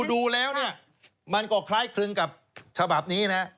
ดูแล้วเนี่ยมันก็คล้ายคลึงกับฉบับนี้นะ